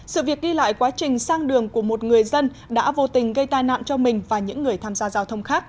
sự việc ghi lại quá trình sang đường của một người dân đã vô tình gây tai nạn cho mình và những người tham gia giao thông khác